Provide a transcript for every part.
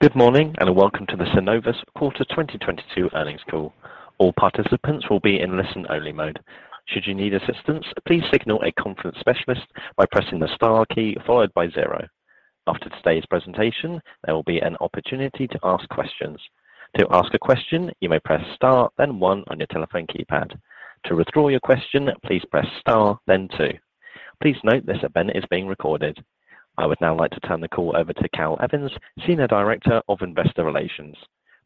Good morning, and welcome to the Synovus Q4 2022 earnings call. All participants will be in listen only mode. Should you need assistance, please signal a conference specialist by pressing the star key followed by zero. After today's presentation, there will be an opportunity to ask questions. To ask a question, you may press star then one on your telephone keypad. To withdraw your question, please press star then two. Please note this event is being recorded. I would now like to turn the call over to Cal Evans, Senior Director of Investor Relations.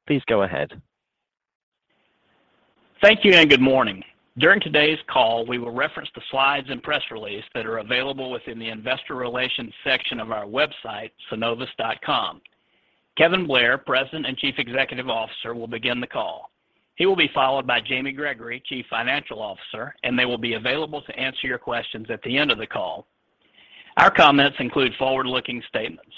Please go ahead. Thank you and good morning. During today's call, we will reference the slides and press release that are available within the investor relations section of our website, synovus.com. Kevin Blair, President and Chief Executive Officer, will begin the call. He will be followed by Jamie Gregory, Chief Financial Officer, and they will be available to answer your questions at the end of the call. Our comments include forward-looking statements.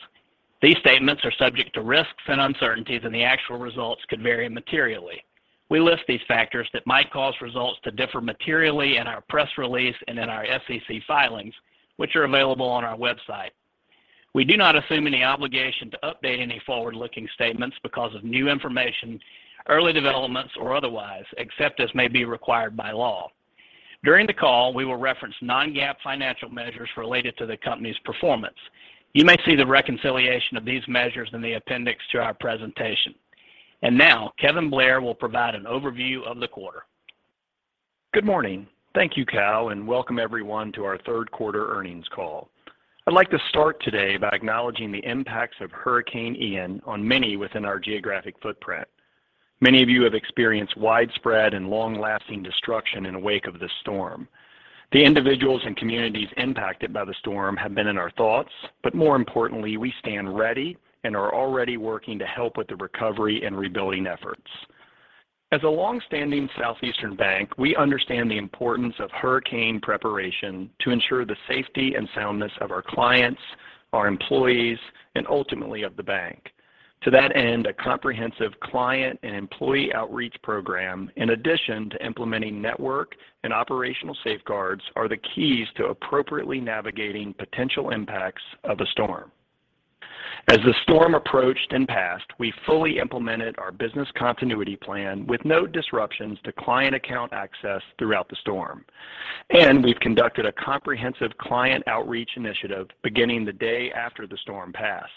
These statements are subject to risks and uncertainties, and the actual results could vary materially. We list these factors that might cause results to differ materially in our press release and in our SEC filings, which are available on our website. We do not assume any obligation to update any forward-looking statements because of new information, early developments or otherwise, except as may be required by law. During the call, we will reference non-GAAP financial measures related to the company's performance. You may see the reconciliation of these measures in the appendix to our presentation. Now Kevin Blair will provide an overview of the quarter. Good morning. Thank you, Cal, and welcome everyone to our third quarter earnings call. I'd like to start today by acknowledging the impacts of Hurricane Ian on many within our geographic footprint. Many of you have experienced widespread and long-lasting destruction in the wake of this storm. The individuals and communities impacted by the storm have been in our thoughts, but more importantly, we stand ready and are already working to help with the recovery and rebuilding efforts. As a long-standing southeastern bank, we understand the importance of hurricane preparation to ensure the safety and soundness of our clients, our employees, and ultimately of the bank. To that end, a comprehensive client and employee outreach program, in addition to implementing network and operational safeguards, are the keys to appropriately navigating potential impacts of a storm. As the storm approached and passed, we fully implemented our business continuity plan with no disruptions to client account access throughout the storm. We've conducted a comprehensive client outreach initiative beginning the day after the storm passed.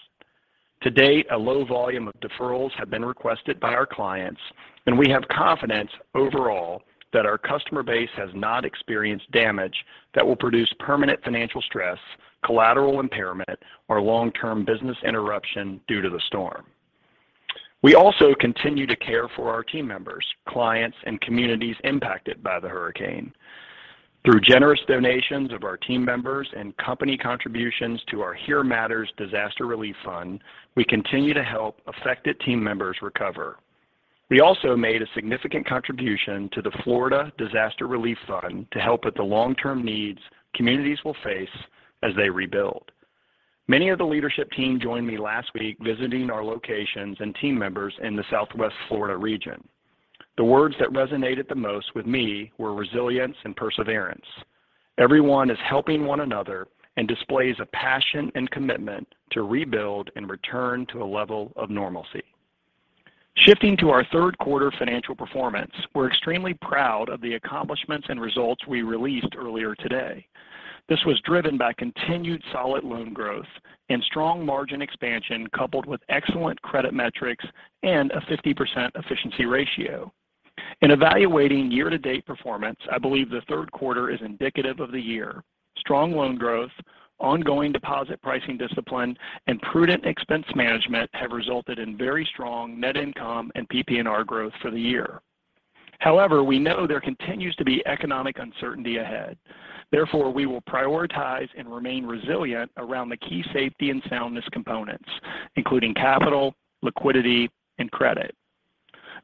To date, a low volume of deferrals have been requested by our clients, and we have confidence overall that our customer base has not experienced damage that will produce permanent financial stress, collateral impairment, or long-term business interruption due to the storm. We also continue to care for our team members, clients, and communities impacted by the hurricane. Through generous donations of our team members and company contributions to our Here Matters Disaster Relief Fund, we continue to help affected team members recover. We also made a significant contribution to the Florida Disaster Fund to help with the long-term needs communities will face as they rebuild. Many of the leadership team joined me last week visiting our locations and team members in the Southwest Florida region. The words that resonated the most with me were resilience and perseverance. Everyone is helping one another and displays a passion and commitment to rebuild and return to a level of normalcy. Shifting to our third quarter financial performance, we're extremely proud of the accomplishments and results we released earlier today. This was driven by continued solid loan growth and strong margin expansion coupled with excellent credit metrics and a 50% efficiency ratio. In evaluating year-to-date performance, I believe the third quarter is indicative of the year. Strong loan growth, ongoing deposit pricing discipline, and prudent expense management have resulted in very strong net income and PPNR growth for the year. However, we know there continues to be economic uncertainty ahead. Therefore, we will prioritize and remain resilient around the key safety and soundness components, including capital, liquidity, and credit.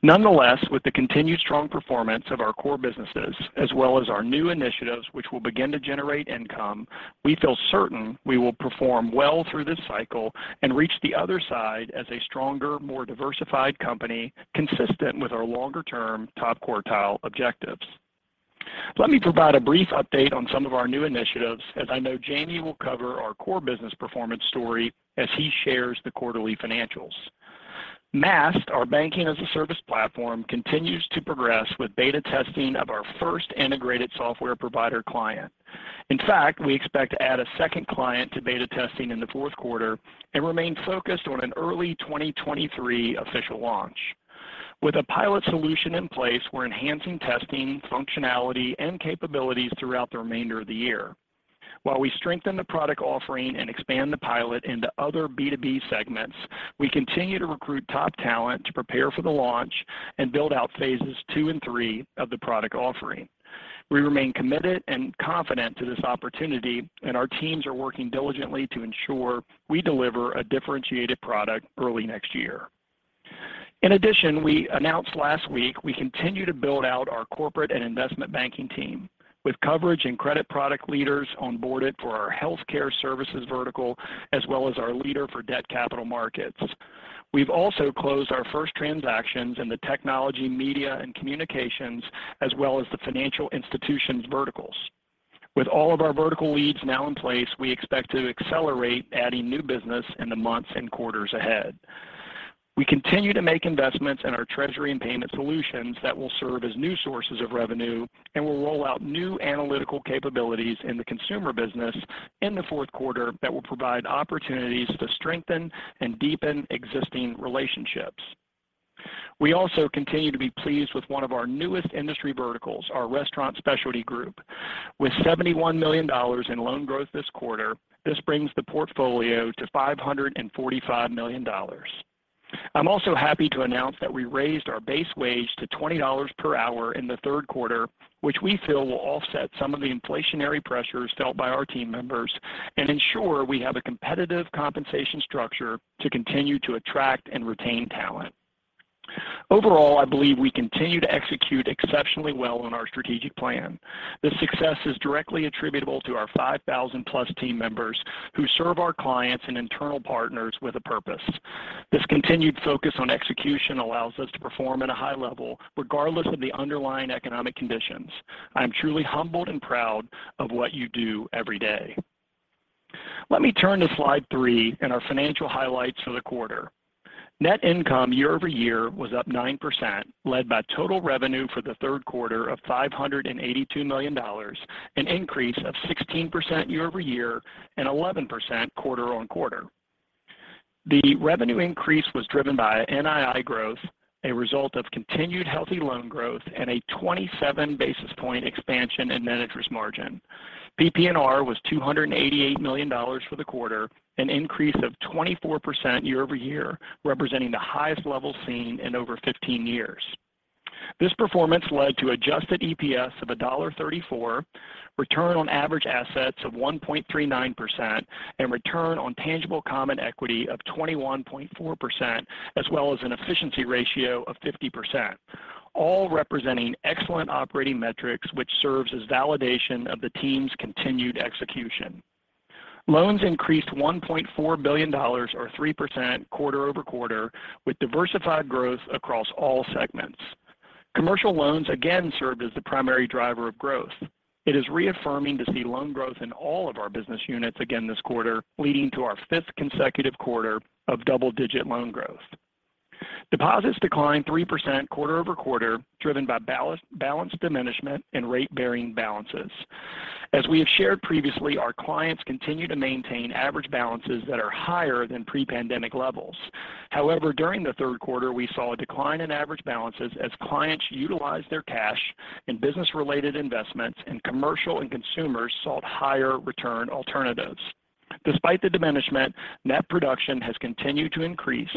Nonetheless, with the continued strong performance of our core businesses as well as our new initiatives which will begin to generate income, we feel certain we will perform well through this cycle and reach the other side as a stronger, more diversified company consistent with our longer term top quartile objectives. Let me provide a brief update on some of our new initiatives, as I know Jamie will cover our core business performance story as he shares the quarterly financials. Maast, our Banking-as-a-Service platform, continues to progress with beta testing of our first integrated software provider client. In fact, we expect to add a second client to beta testing in the fourth quarter and remain focused on an early 2023 official launch. With a pilot solution in place, we're enhancing testing, functionality, and capabilities throughout the remainder of the year. While we strengthen the product offering and expand the pilot into other B2B segments, we continue to recruit top talent to prepare for the launch and build out phases two and three of the product offering. We remain committed and confident to this opportunity, and our teams are working diligently to ensure we deliver a differentiated product early next year. In addition, we announced last week we continue to build out our corporate and investment banking team with coverage and credit product leaders onboarded for our healthcare services vertical as well as our leader for debt capital markets. We've also closed our first transactions in the technology, media, and communications, as well as the financial institutions verticals. With all of our vertical leads now in place, we expect to accelerate adding new business in the months and quarters ahead. We continue to make investments in our treasury and payment solutions that will serve as new sources of revenue and will roll out new analytical capabilities in the consumer business in Q4 that will provide opportunities to strengthen and deepen existing relationships. We also continue to be pleased with one of our newest industry verticals, our restaurant specialty group. With $71 million in loan growth this quarter, this brings the portfolio to $545 million. I'm also happy to announce that we raised our base wage to $20 per hour in Q3, which we feel will offset some of the inflationary pressures felt by our team members and ensure we have a competitive compensation structure to continue to attract and retain talent. Overall, I believe we continue to execute exceptionally well on our strategic plan. This success is directly attributable to our 5,000+ team members who serve our clients and internal partners with a purpose. This continued focus on execution allows us to perform at a high level regardless of the underlying economic conditions. I'm truly humbled and proud of what you do every day. Let me turn to slide 3 in our financial highlights for the quarter. Net income year-over-year was up 9%, led by total revenue for Q3 of $582 million, an increase of 16% year-over-year and 11% quarter-over-quarter. The revenue increase was driven by NII growth, a result of continued healthy loan growth, and a 27 basis point expansion in net interest margin. PPNR was $288 million for the quarter, an increase of 24% year-over-year, representing the highest level seen in over 15 years. This performance led to adjusted EPS of $1.34, return on average assets of 1.39%, and return on tangible common equity of 21.4%, as well as an efficiency ratio of 50%, all representing excellent operating metrics which serves as validation of the team's continued execution. Loans increased $1.4 billion or 3% quarter-over-quarter, with diversified growth across all segments. Commercial loans again served as the primary driver of growth. It is reaffirming to see loan growth in all of our business units again this quarter, leading to our fifth consecutive quarter of double-digit loan growth. Deposits declined 3% quarter-over-quarter, driven by balances diminishment and interest-bearing balances. As we have shared previously, our clients continue to maintain average balances that are higher than pre-pandemic levels. However, during Q3, we saw a decline in average balances as clients utilized their cash in business-related investments and commercial and consumers sought higher return alternatives. Despite the diminishment, net production has continued to increase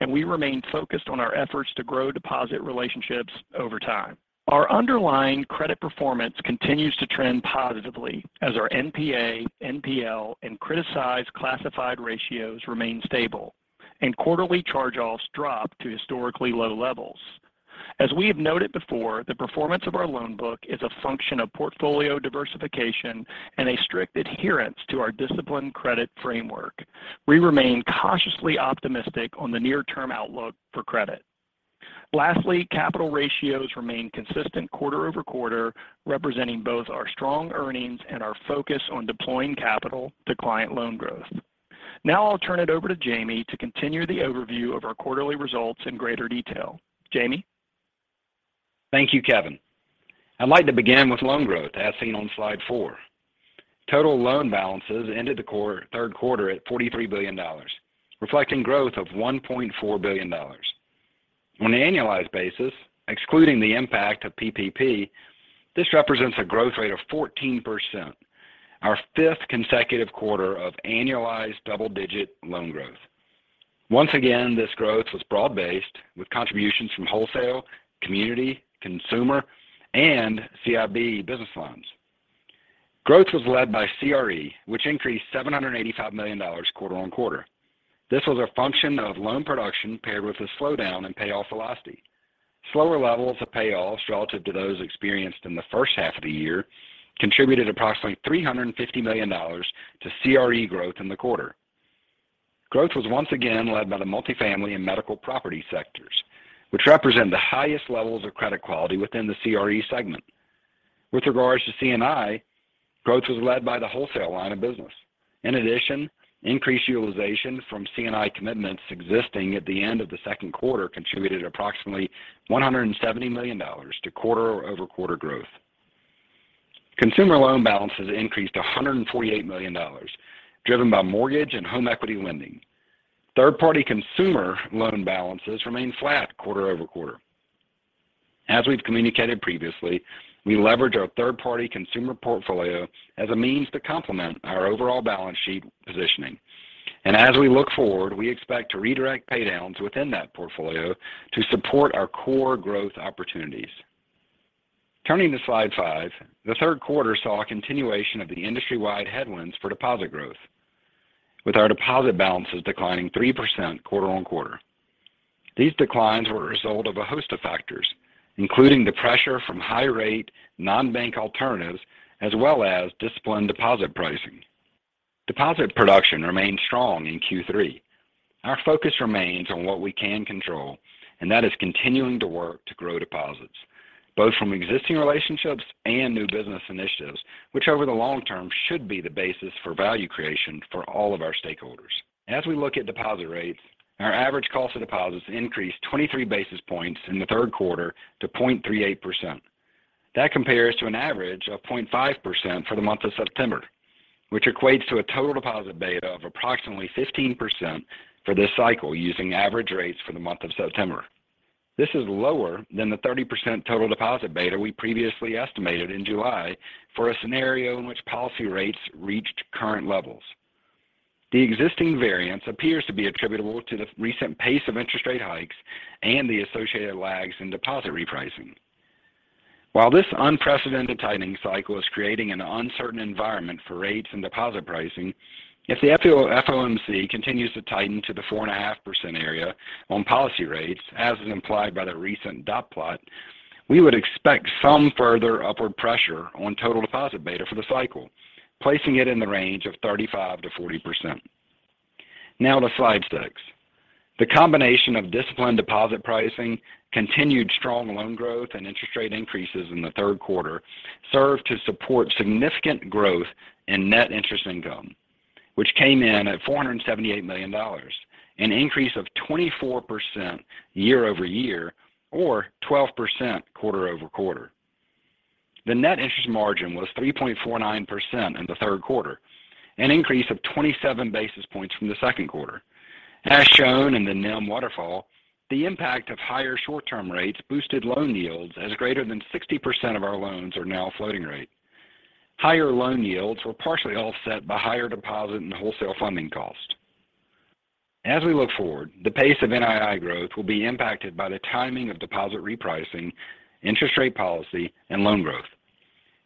and we remain focused on our efforts to grow deposit relationships over time. Our underlying credit performance continues to trend positively as our NPA, NPL, and criticized classified ratios remain stable, and quarterly charge-offs drop to historically low levels. As we have noted before, the performance of our loan book is a function of portfolio diversification and a strict adherence to our disciplined credit framework. We remain cautiously optimistic on the near term outlook for credit. Lastly, capital ratios remain consistent quarter-over-quarter, representing both our strong earnings and our focus on deploying capital to client loan growth. Now I'll turn it over to Jamie to continue the overview of our quarterly results in greater detail. Jamie? Thank you, Kevin. I'd like to begin with loan growth as seen on slide 4. Total loan balances ended Q3 at $43 billion, reflecting growth of $1.4 billion. On an annualized basis, excluding the impact of PPP, this represents a growth rate of 14%, our fifth consecutive quarter of annualized double-digit loan growth. Once again, this growth was broad-based with contributions from wholesale, community, consumer, and CIB business loans. Growth was led by CRE, which increased $785 million quarter-over-quarter. This was a function of loan production paired with a slowdown in payoff velocity. Slower levels of payoffs relative to those experienced in the first half of the year contributed approximately $350 million to CRE growth in the quarter. Growth was once again led by the multifamily and medical property sectors, which represent the highest levels of credit quality within the CRE segment. With regards to C&I, growth was led by the wholesale line of business. In addition, increased utilization from C&I commitments existing at the end of Q2 contributed approximately $170 million to quarter-over-quarter growth. Consumer loan balances increased $148 million, driven by mortgage and home equity lending. Third-party consumer loan balances remained flat quarter-over-quarter. As we've communicated previously, we leverage our third-party consumer portfolio as a means to complement our overall balance sheet positioning. As we look forward, we expect to redirect pay downs within that portfolio to support our core growth opportunities. Turning to slide 5, Q3 saw a continuation of the industry-wide headwinds for deposit growth, with our deposit balances declining 3% quarter-over-quarter. These declines were a result of a host of factors, including the pressure from high rate, non-bank alternatives, as well as disciplined deposit pricing. Deposit production remained strong in Q3. Our focus remains on what we can control, and that is continuing to work to grow deposits, both from existing relationships and new business initiatives, which over the long term should be the basis for value creation for all of our stakeholders. As we look at deposit rates, our average cost of deposits increased 23 basis points in the third quarter to 0.38%. That compares to an average of 0.5% for the month of September, which equates to a total deposit beta of approximately 15% for this cycle using average rates for the month of September. This is lower than the 30% total deposit beta we previously estimated in July for a scenario in which policy rates reached current levels. The existing variance appears to be attributable to the recent pace of interest rate hikes and the associated lags in deposit repricing. While this unprecedented tightening cycle is creating an uncertain environment for rates and deposit pricing, if the FOMC continues to tighten to the 4.5% area on policy rates, as is implied by the recent dot plot, we would expect some further upward pressure on total deposit beta for the cycle, placing it in the range of 35%-40%. Now to slide six. The combination of disciplined deposit pricing, continued strong loan growth, and interest rate increases in Q3 served to support significant growth in net interest income, which came in at $478 million, an increase of 24% year-over-year or 12% quarter-over-quarter. The net interest margin was 3.49% in Q3, an increase of 27 basis points from Q2. As shown in the NIM Waterfall, the impact of higher short-term rates boosted loan yields as greater than 60% of our loans are now floating rate. Higher loan yields were partially offset by higher deposit and wholesale funding cost. As we look forward, the pace of NII growth will be impacted by the timing of deposit repricing, interest rate policy, and loan growth.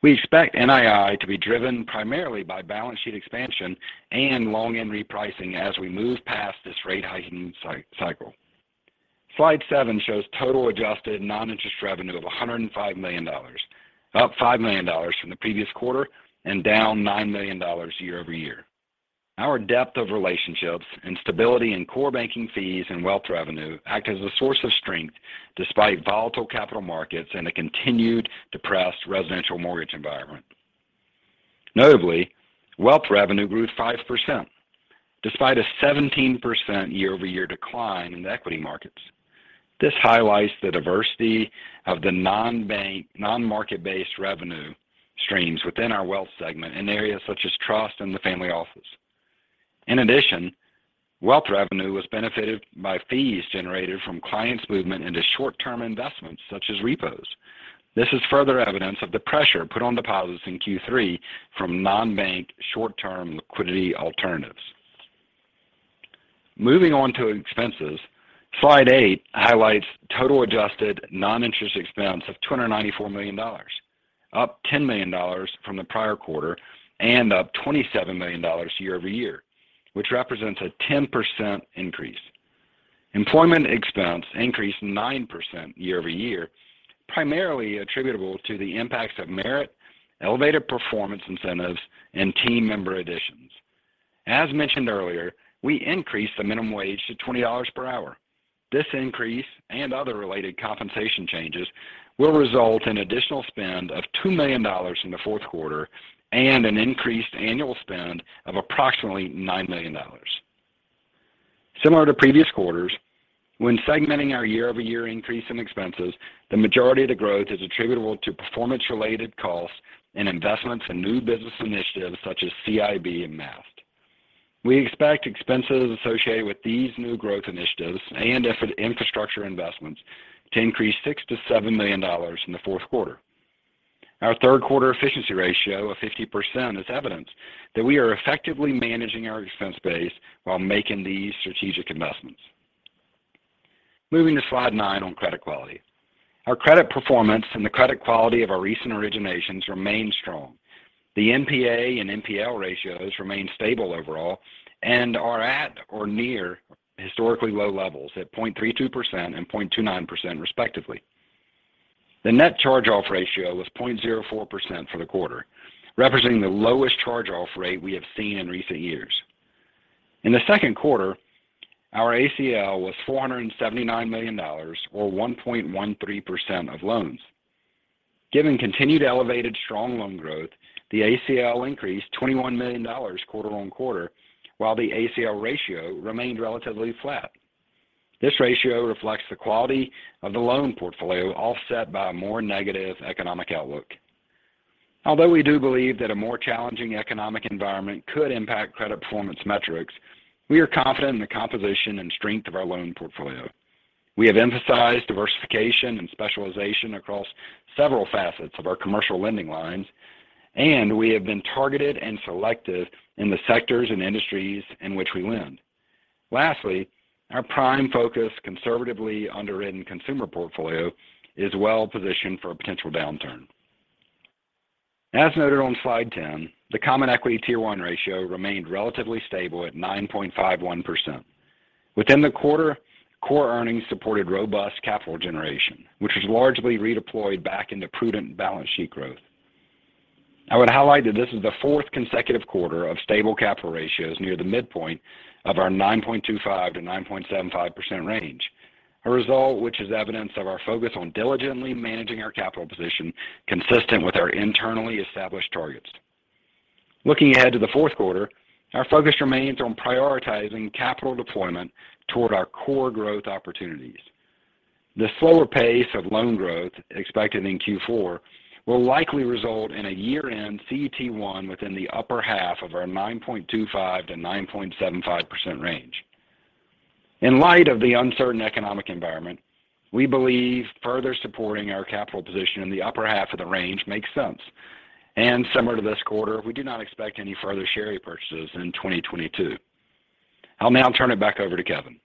We expect NII to be driven primarily by balance sheet expansion and long-end repricing as we move past this rate-hiking cycle. Slide 7 shows total adjusted non-interest revenue of $105 million, up $5 million from the previous quarter and down $9 million year-over-year. Our depth of relationships and stability in core banking fees and wealth revenue act as a source of strength despite volatile capital markets and a continued depressed residential mortgage environment. Notably, wealth revenue grew 5% despite a 17% year-over-year decline in the equity markets. This highlights the diversity of the non-market-based revenue streams within our wealth segment in areas such as trust and the family office. In addition, wealth revenue was benefited by fees generated from clients' movement into short-term investments such as repos. This is further evidence of the pressure put on deposits in Q3 from non-bank short-term liquidity alternatives. Moving on to expenses, slide 8 highlights total adjusted non-interest expense of $294 million, up $10 million from the prior quarter and up $27 million year-over-year, which represents a 10% increase. Employment expense increased 9% year-over-year, primarily attributable to the impacts of merit, elevated performance incentives, and team member additions. As mentioned earlier, we increased the minimum wage to $20 per hour. This increase and other related compensation changes will result in additional spend of $2 million in Q4 and an increased annual spend of approximately $9 million. Similar to previous quarters, when segmenting our year-over-year increase in expenses, the majority of the growth is attributable to performance-related costs and investments in new business initiatives such as CIB and Maast. We expect expenses associated with these new growth initiatives and infrastructure investments to increase $6 million-$7 million in Q4. Our Q3 efficiency ratio of 50% is evidence that we are effectively managing our expense base while making these strategic investments. Moving to slide nine on credit quality. Our credit performance and the credit quality of our recent originations remain strong. The NPA and NPL ratios remain stable overall and are at or near historically low levels at 0.32% and 0.29% respectively. The net charge-off ratio was 0.04% for the quarter, representing the lowest charge-off rate we have seen in recent years. In Q2, our ACL was $479 million or 1.13% of loans. Given continued elevated strong loan growth, the ACL increased $21 million quarter-over-quarter, while the ACL ratio remained relatively flat. This ratio reflects the quality of the loan portfolio offset by a more negative economic outlook. Although we do believe that a more challenging economic environment could impact credit performance metrics, we are confident in the composition and strength of our loan portfolio. We have emphasized diversification and specialization across several facets of our commercial lending lines, and we have been targeted and selective in the sectors and industries in which we lend. Lastly, our prime focus, conservatively underwritten consumer portfolio, is well positioned for a potential downturn. As noted on slide 10, the Common Equity Tier 1 ratio remained relatively stable at 9.51%. Within the quarter, core earnings supported robust capital generation, which was largely redeployed back into prudent balance sheet growth. I would highlight that this is the fourth consecutive quarter of stable capital ratios near the midpoint of our 9.25%-9.75% range, a result which is evidence of our focus on diligently managing our capital position consistent with our internally established targets. Looking ahead to Q4, our focus remains on prioritizing capital deployment toward our core growth opportunities. The slower pace of loan growth expected in Q4 will likely result in a year-end CET1 within the upper half of our 9.25%-9.75% range. In light of the uncertain economic environment, we believe further supporting our capital position in the upper half of the range makes sense. Similar to this quarter, we do not expect any further share repurchases in 2022. I'll now turn it back over to Kevin.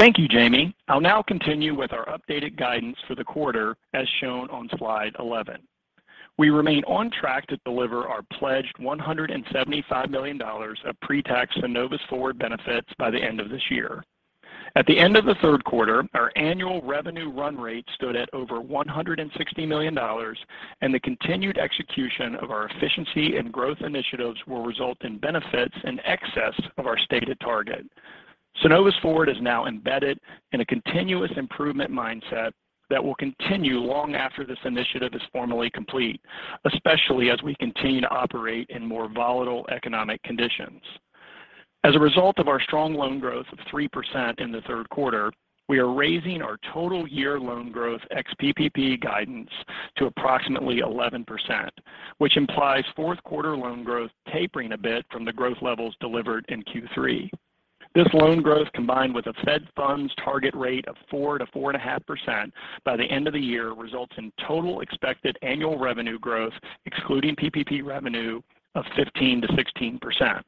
Thank you, Jamie. I'll now continue with our updated guidance for the quarter as shown on slide 11. We remain on track to deliver our pledged $175 million of pre-tax Synovus Forward benefits by the end of this year. At the end of Q3, our annual revenue run rate stood at over $160 million, and the continued execution of our efficiency and growth initiatives will result in benefits in excess of our stated target. Synovus Forward is now embedded in a continuous improvement mindset that will continue long after this initiative is formally complete, especially as we continue to operate in more volatile economic conditions. As a result of our strong loan growth of 3% inQ3, we are raising our total year loan growth ex-PPP guidance to approximately 11% which implies fourth quarter loan growth tapering a bit from the growth levels delivered in Q3. This loan growth, combined with a Fed funds target rate of 4%-4.5% by the end of the year, results in total expected annual revenue growth excluding PPP revenue of 15%-16%.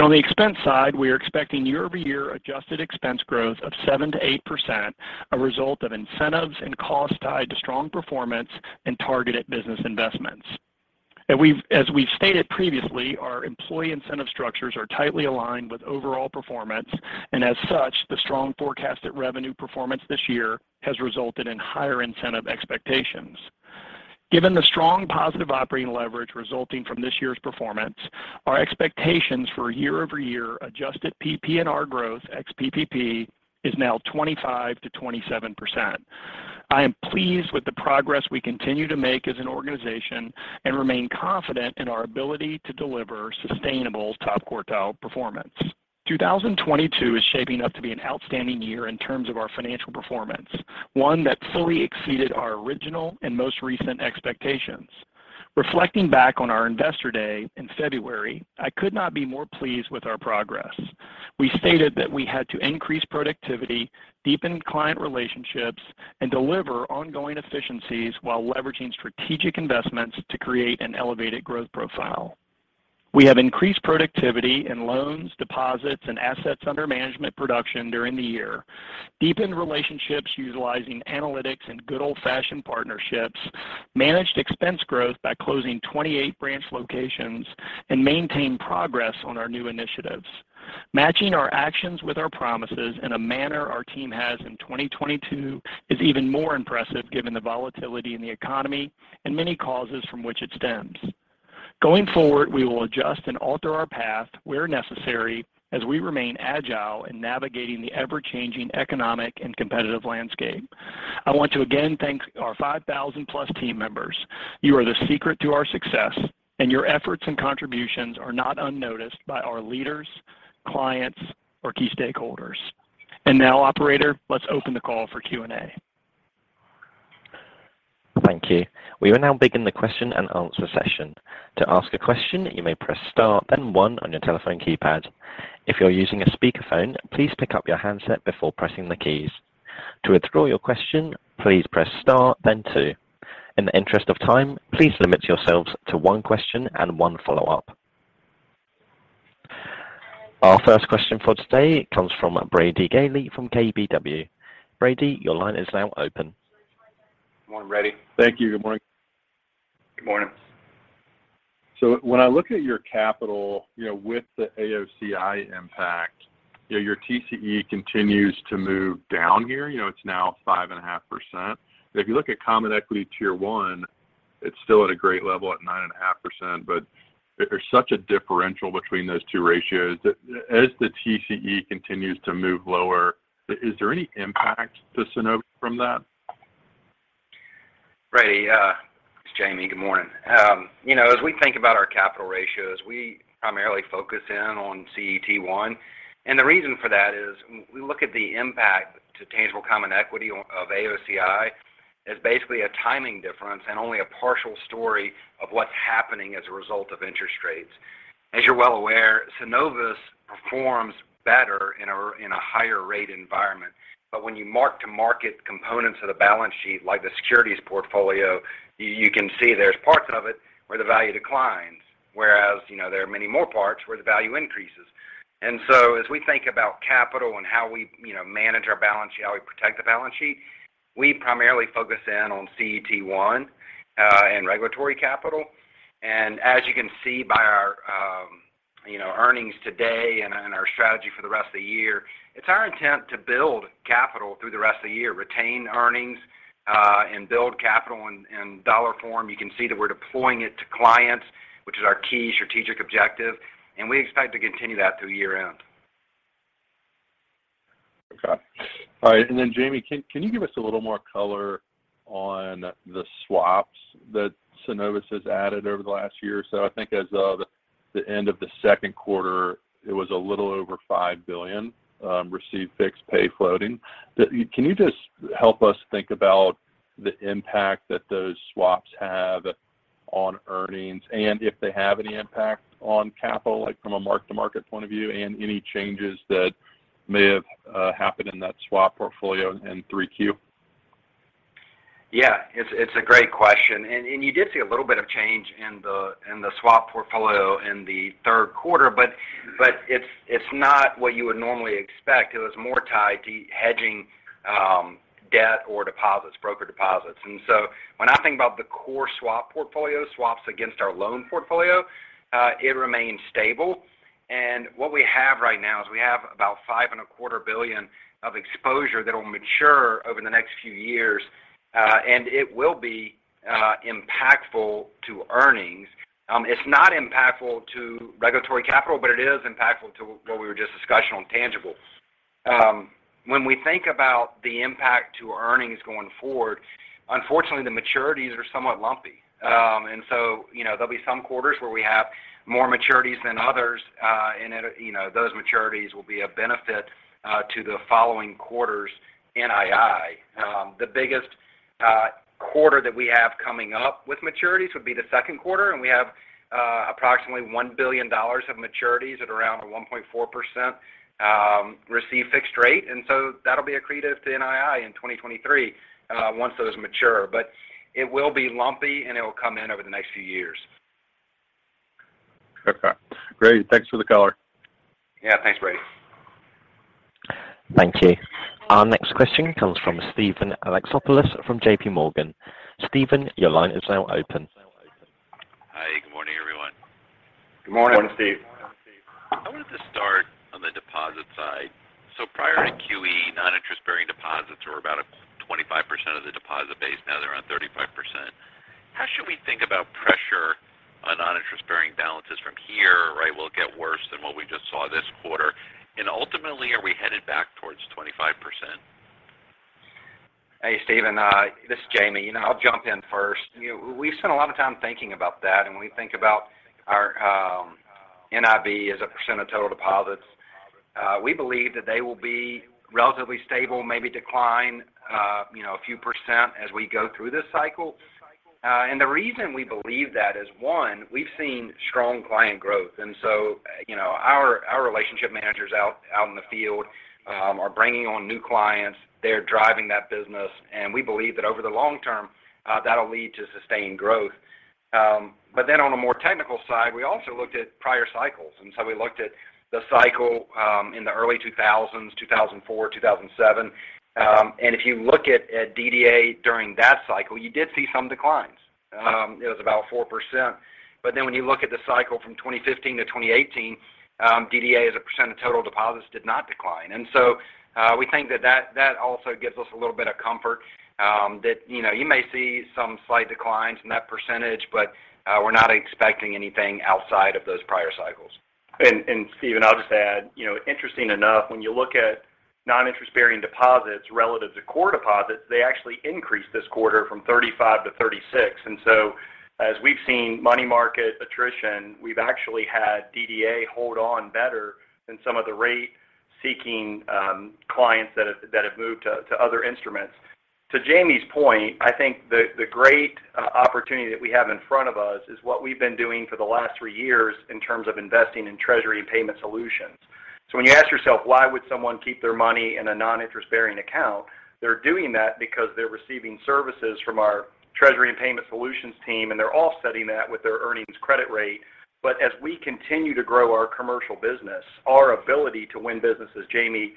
On the expense side, we are expecting year-over-year adjusted expense growth of 7%-8%, a result of incentives and costs tied to strong performance and targeted business investments. As we've stated previously, our employee incentive structures are tightly aligned with overall performance. As such, the strong forecasted revenue performance this year has resulted in higher incentive expectations. Given the strong positive operating leverage resulting from this year's performance, our expectations for year-over-year adjusted PPNR growth ex-PPP is now 25%-27%. I am pleased with the progress we continue to make as an organization and remain confident in our ability to deliver sustainable top quartile performance. 2022 is shaping up to be an outstanding year in terms of our financial performance, one that fully exceeded our original and most recent expectations. Reflecting back on our Investor Day in February, I could not be more pleased with our progress. We stated that we had to increase productivity, deepen client relationships, and deliver ongoing efficiencies while leveraging strategic investments to create an elevated growth profile. We have increased productivity in loans, deposits, and assets under management production during the year, deepened relationships utilizing analytics and good old-fashioned partnerships, managed expense growth by closing 28 branch locations, and maintained progress on our new initiatives. Matching our actions with our promises in a manner our team has in 2022 is even more impressive given the volatility in the economy and many causes from which it stems. Going forward, we will adjust and alter our path where necessary as we remain agile in navigating the ever-changing economic and competitive landscape. I want to again thank our 5,000+ team members. You are the secret to our success, and your efforts and contributions are not unnoticed by our leaders, clients, or key stakeholders. Now, operator, let's open the call for Q&A. Thank you. We will now begin the question-and -answer session. To ask a question, you may press Star, then One on your telephone keypad. If you're using a speakerphone, please pick up your handset before pressing the keys. To withdraw your question, please press Star then Two. In the interest of time, please limit yourselves to one question and one follow-up. Our first question for today comes from Brady Gailey from KBW. Brady, your line is now open. Good morning, Brady. Thank you. Good morning. Good morning. When I look at your capital, you know, with the AOCI impact, you know, your TCE continues to move down here. You know, it's now 5.5%. If you look at Common Equity Tier 1, it's still at a great level at 9.5%. There's such a differential between those two ratios. As the TCE continues to move lower, is there any impact to Synovus from that? Brady, it's Jamie. Good morning. You know, as we think about our capital ratios, we primarily focus in on CET1, and the reason for that is we look at the impact to tangible common equity of AOCI as basically a timing difference and only a partial story of what's happening as a result of interest rates. As you're well aware, Synovus performs better in a higher rate environment. But when you mark to market components of the balance sheet, like the securities portfolio, you can see there's parts of it where the value declines, whereas, you know, there are many more parts where the value increases. As we think about capital and how we, you know, manage our balance sheet, how we protect the balance sheet We primarily focus in on CET1 and regulatory capital. As you can see by our, you know, earnings today and our strategy for the rest of the year, it's our intent to build capital through the rest of the year, retain earnings and build capital in dollar form. You can see that we're deploying it to clients, which is our key strategic objective, and we expect to continue that through year-end. Okay. All right. Jamie, can you give us a little more color on the swaps that Synovus has added over the last year or so? I think as of the end of Q2, it was a little over $5 billion received fixed pay floating. Can you just help us think about the impact that those swaps have on earnings and if they have any impact on capital, like from a mark-to-market point of view and any changes that may have happened in that swap portfolio in 3Q? Yeah. It's a great question. You did see a little bit of change in the swap portfolio in Q3 but it's not what you would normally expect. It was more tied to hedging debt or deposits, broker deposits. When I think about the core swap portfolio, swaps against our loan portfolio, it remains stable. What we have right now is we have about $5.25 billion of exposure that'll mature over the next few years, and it will be impactful to earnings. It's not impactful to regulatory capital, but it is impactful to what we were just discussing on tangibles. When we think about the impact to earnings going forward, unfortunately, the maturities are somewhat lumpy. You know, there'll be some quarters where we have more maturities than others, and it, you know, those maturities will be a benefit to the following quarters' NII. The biggest quarter that we have coming up with maturities would be Q2, and we have approximately $1 billion of maturities at around 1.4%, receive fixed rate. That'll be accretive to NII in 2023, once those mature. It will be lumpy, and it will come in over the next few years. Okay. Great. Thanks for the color. Yeah. Thanks, Brady. Thank you. Our next question comes from Steven Alexopoulos from JPMorgan. Steven, your line is now open. Hi. Good morning, everyone. Good morning. Morning, Steven. I wanted to start on the deposit side. Prior to QE, non-interest-bearing deposits were about a 25% of the deposit base. Now they're around 35%. How should we think about pressure on non-interest-bearing balances from here? Right, will it get worse than what we just saw this quarter? Ultimately, are we headed back towards 25%? Hey, Steven, this is Jamie. You know, I'll jump in first. You know, we've spent a lot of time thinking about that, and we think about our NIB as a % of total deposits. We believe that they will be relatively stable, maybe decline, you know, a few % as we go through this cycle. The reason we believe that is, one, we've seen strong client growth. You know, our relationship managers out in the field are bringing on new clients. They're driving that business. We believe that over the long term, that'll lead to sustained growth. On a more technical side, we also looked at prior cycles, and so we looked at the cycle in the early 2000s, 2004, 2007. If you look at DDA during that cycle, you did see some declines. It was about 4%. When you look at the cycle from 2015 to 2018, DDA as a percent of total deposits did not decline. We think that also gives us a little bit of comfort, that you know you may see some slight declines in that percentage, but we're not expecting anything outside of those prior cycles. Steven, I'll just add, you know, interesting enough, when you look at non-interest-bearing deposits relative to core deposits, they actually increased this quarter from 35% to 36%. As we've seen money market attrition, we've actually had DDA hold on better than some of the rate-seeking clients that have moved to other instruments. To Jamie's point, I think the great opportunity that we have in front of us is what we've been doing for the last three years in terms of investing in treasury and payment solutions. When you ask yourself, why would someone keep their money in a non-interest-bearing account, they're doing that because they're receiving services from our treasury and payment solutions team, and they're all setting that with their earnings credit rate. As we continue to grow our commercial business, our ability to win business, as Jamie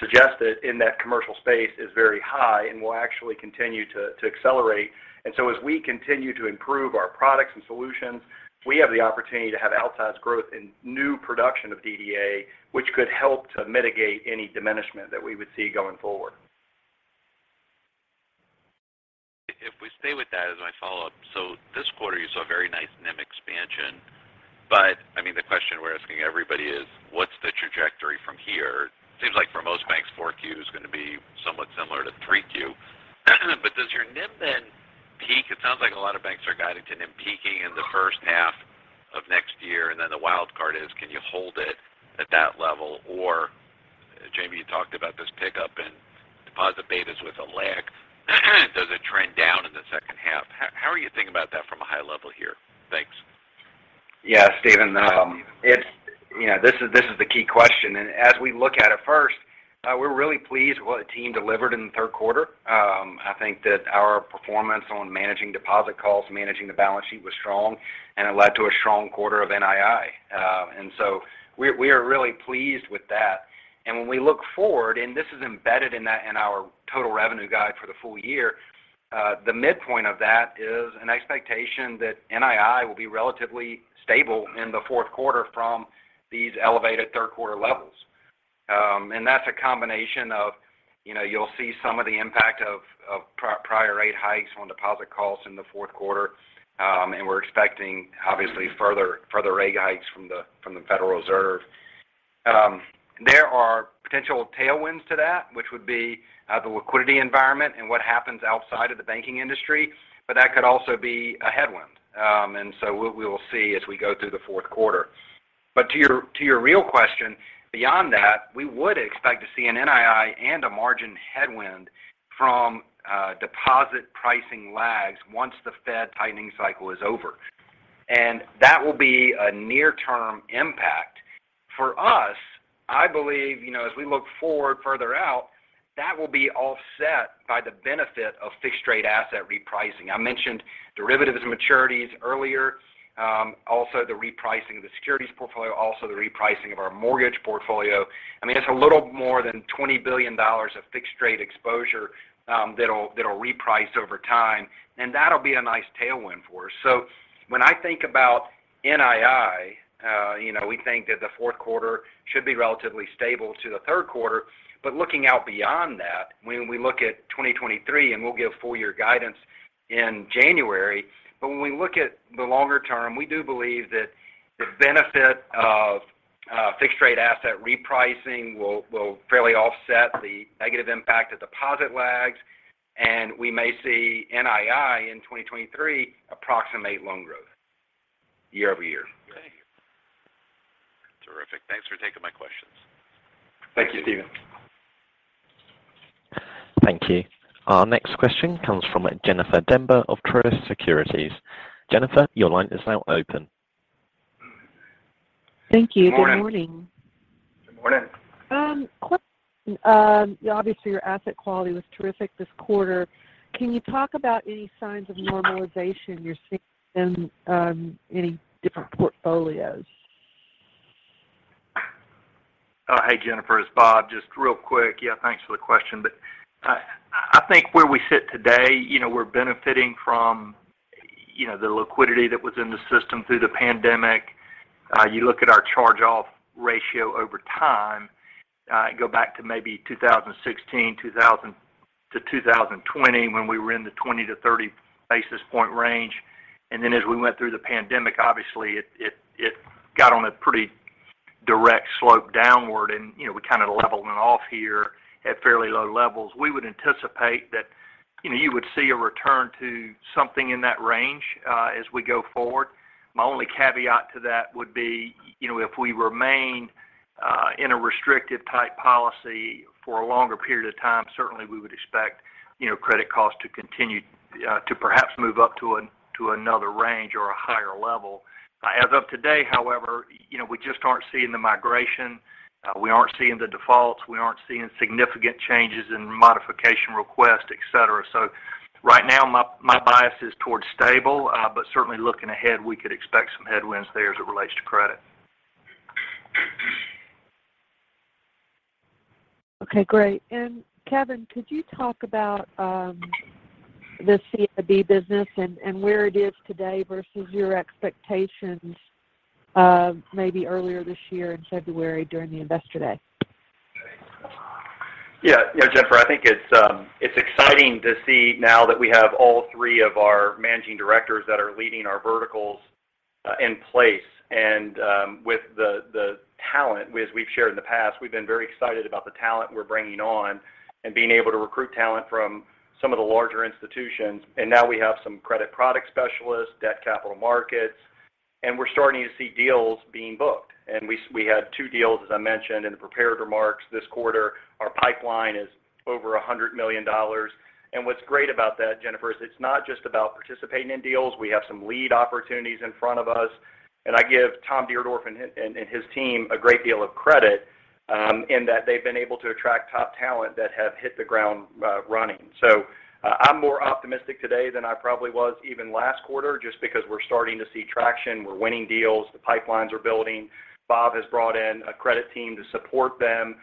suggested in that commercial space, is very high and will actually continue to accelerate. As we continue to improve our products and solutions, we have the opportunity to have outsized growth in new production of DDA, which could help to mitigate any diminishment that we would see going forward. If we stay with that as my follow-up, so this quarter you saw a very nice NIM expansion. I mean, the question we're asking everybody is, what's the trajectory from here? Seems like for most banks, 4Q is going to be somewhat similar to 3Q. Does your NIM then peak? It sounds like a lot of banks are guiding to NIM peaking in H1 of next year. Then the wild card is, can you hold it at that level? Jamie, you talked about this pickup in deposit betas with a lag. Does it trend down in H2? How are you thinking about that from a high level here? Thanks. Yeah, Steven. You know, this is the key question. As we look at it, first, we're really pleased what the team delivered in Q3. I think that our performance on managing deposit costs, managing the balance sheet was strong, and it led to a strong quarter of NII. We are really pleased with that. When we look forward, this is embedded in that in our total revenue guide for the full year. The midpoint of that is an expectation that NII will be relatively stable in Q4 from these elevated Q3 levels. That's a combination of, you know, you'll see some of the impact of prior rate hikes on deposit costs in Q4, and we're expecting obviously further rate hikes from the Federal Reserve. There are potential tailwinds to that, which would be the liquidity environment and what happens outside of the banking industry. But that could also be a headwind. We will see as we go through Q4. To your real question beyond that, we would expect to see an NII and a margin headwind from deposit pricing lags once the Fed tightening cycle is over. That will be a near-term impact. For us, I believe, you know, as we look forward further out, that will be offset by the benefit of fixed rate asset repricing. I mentioned derivatives maturities earlier, also the repricing of the securities portfolio, also the repricing of our mortgage portfolio. I mean, it's a little more than $20 billion of fixed rate exposure, that'll reprice over time, and that'll be a nice tailwind for us. When I think about NII, you know, we think that Q4 should be relatively stable to Q3. Looking out beyond that, when we look at 2023, and we'll give full year guidance in January, but when we look at the longer term, we do believe that the benefit of fixed rate asset repricing will fairly offset the negative impact of deposit lags, and we may see NII in 2023 approximate loan growth year-over-year. Okay. Terrific. Thanks for taking my questions. Thank you, Steven. Thank you. Our next question comes from Jennifer Demba of Truist Securities. Jennifer, your line is now open. Thank you. Good morning. Good morning. Question, obviously your asset quality was terrific this quarter. Can you talk about any signs of normalization you're seeing in, any different portfolios? Hey, Jennifer, it's Bob. Just real quick. Yeah, thanks for the question. I think where we sit today, you know, we're benefiting from, you know, the liquidity that was in the system through the pandemic. You look at our charge-off ratio over time, and go back to maybe 2016 to 2020 when we were in the 20-30 basis point range. Then as we went through the pandemic, obviously it got on a pretty direct slope downward and, you know, we kind of leveled it off here at fairly low levels. We would anticipate that, you know, you would see a return to something in that range, as we go forward. My only caveat to that would be, you know, if we remain in a restrictive type policy for a longer period of time, certainly we would expect, you know, credit costs to continue to perhaps move up to another range or a higher level. As of today, however, you know, we just aren't seeing the migration. We aren't seeing the defaults. We aren't seeing significant changes in modification requests, et cetera. Right now my bias is towards stable. But certainly looking ahead, we could expect some headwinds there as it relates to credit. Okay, great. Kevin, could you talk about the CIB business and where it is today versus your expectations, maybe earlier this year in February during the Investor Day? Yeah. Yeah, Jennifer, I think it's exciting to see now that we have all 3 of our managing directors that are leading our verticals in place. With the talent, as we've shared in the past, we've been very excited about the talent we're bringing on and being able to recruit talent from some of the larger institutions. Now we have some credit product specialists, debt capital markets, and we're starting to see deals being booked. We had 2 deals, as I mentioned in the prepared remarks this quarter. Our pipeline is over $100 million. What's great about that, Jennifer, is it's not just about participating in deals. We have some lead opportunities in front of us. I give Thomas Dierdorff and his team a great deal of credit in that they've been able to attract top talent that have hit the ground running. I'm more optimistic today than I probably was even last quarter just because we're starting to see traction. We're winning deals. The pipelines are building. Bob has brought in a credit team to support them,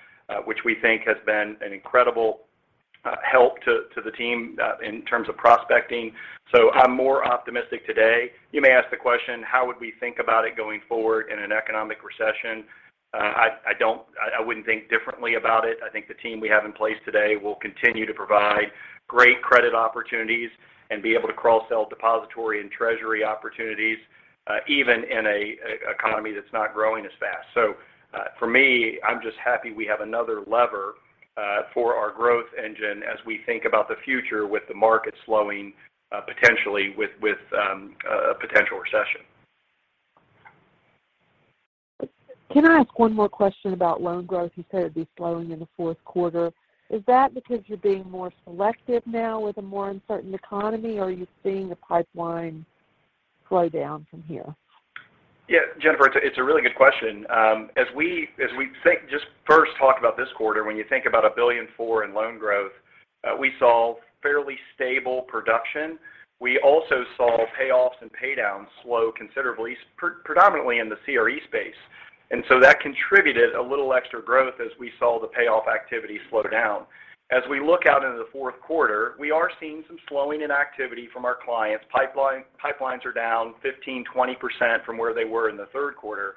which we think has been an incredible help to the team in terms of prospecting. I'm more optimistic today. You may ask the question, how would we think about it going forward in an economic recession? I wouldn't think differently about it. I think the team we have in place today will continue to provide great credit opportunities and be able to cross-sell depository and treasury opportunities, even in an economy that's not growing as fast. For me, I'm just happy we have another lever for our growth engine as we think about the future with the market slowing, potentially with a potential recession. Can I ask one more question about loan growth? You said it'd be slowing in Q4. Is that because you're being more selective now with a more uncertain economy, or are you seeing the pipeline slow down from here? Yeah, Jennifer, it's a really good question. As we think just first talk about this quarter, when you think about $1.4 billion in loan growth. We saw fairly stable production. We also saw payoffs and pay downs slow considerably, predominantly in the CRE space. That contributed a little extra growth as we saw the payoff activity slow down. As we look out into Q4, we are seeing some slowing in activity from our clients. Pipelines are down 15, 20% from where they were in the third quarter.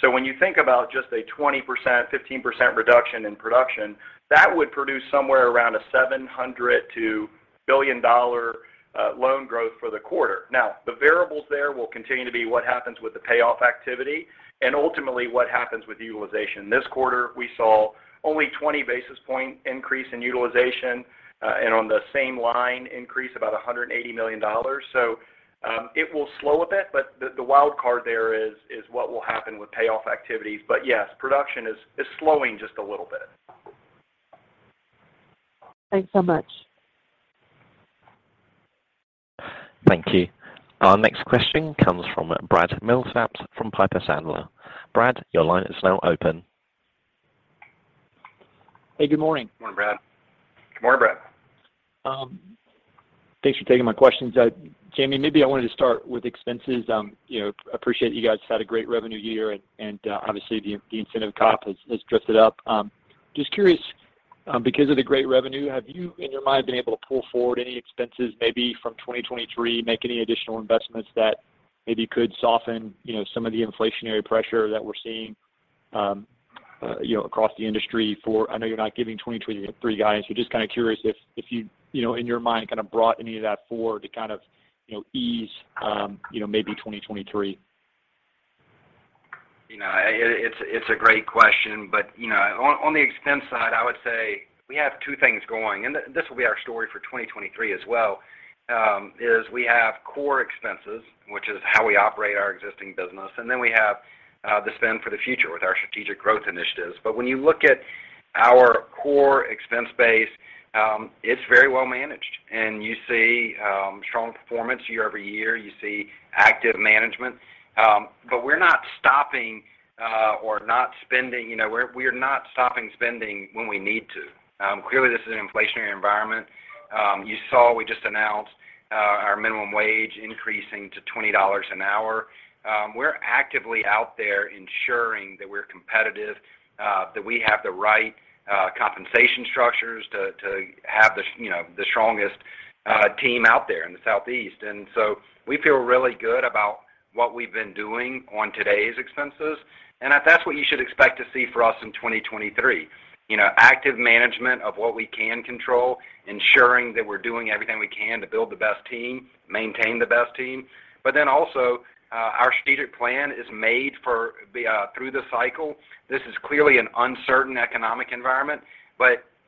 When you think about just a 20%, 15% reduction in production, that would produce somewhere around a $700 million-$1 billion loan growth for the quarter. The variables there will continue to be what happens with the payoff activity and ultimately what happens with utilization. This quarter, we saw only 20 basis points increase in utilization, and on the same line increase about $180 million. It will slow a bit, but the wild card there is what will happen with payoff activities. Yes, production is slowing just a little bit. Thanks so much. Thank you. Our next question comes from Brad Milsaps from Piper Sandler. Brad, your line is now open. Hey, good morning. Morning, Brad. Good morning, Brad. Thanks for taking my questions. Jamie, maybe I wanted to start with expenses. You know, appreciate you guys had a great revenue year and obviously the incentive comp has dressed it up. Just curious, because of the great revenue, have you, in your mind, been able to pull forward any expenses maybe from 2023, make any additional investments that maybe could soften, you know, some of the inflationary pressure that we're seeing, you know, across the industry. I know you're not giving 2023 guidance. Just kind of curious if you know, in your mind kind of brought any of that forward to kind of, you know, ease maybe 2023. You know, it's a great question. You know, on the expense side, I would say we have two things going, and this will be our story for 2023 as well, is we have core expenses, which is how we operate our existing business, and then we have the spend for the future with our strategic growth initiatives. When you look at our core expense base, it's very well managed. You see strong performance year-over-year. You see active management. We're not stopping or not spending. You know, we're not stopping spending when we need to. Clearly this is an inflationary environment. You saw we just announced our minimum wage increasing to $20 an hour. We're actively out there ensuring that we're competitive, that we have the right compensation structures to have the, you know, the strongest team out there in the Southeast. We feel really good about what we've been doing on today's expenses, and that's what you should expect to see for us in 2023. You know, active management of what we can control, ensuring that we're doing everything we can to build the best team, maintain the best team. Our strategic plan is made for the through the cycle. This is clearly an uncertain economic environment.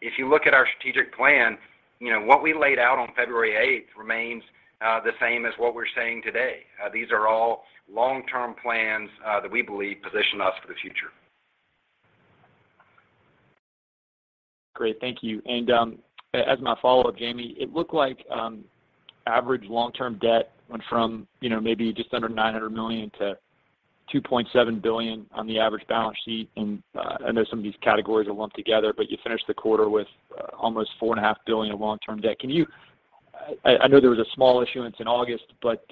If you look at our strategic plan, you know, what we laid out on February 8 remains the same as what we're saying today. These are all long-term plans that we believe position us for the future. Great. Thank you. As my follow-up, Jamie, it looked like average long-term debt went from, you know, maybe just under $900 million to $2.7 billion on the average balance sheet. I know some of these categories are lumped together, but you finished the quarter with almost $4.5 billion of long-term debt. I know there was a small issuance in August, but